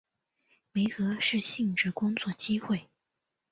媒合适性之工作机会